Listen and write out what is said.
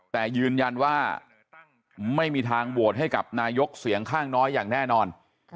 แต่ยืนยันว่าไม่มีทางโหวตให้กับนายกเสียงข้างน้อยอย่างแน่นอน